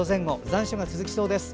残暑が続きそうです。